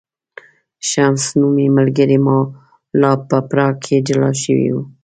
شمس نومی ملګری مو لا په پراګ کې جلا شوی و.